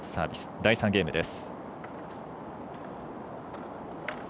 第３ゲームです。